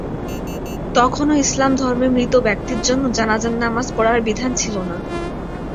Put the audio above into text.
তখনও ইসলাম ধর্মে মৃত ব্যক্তির জন্য জানাযার নামায পড়ার বিধান ছিলো না।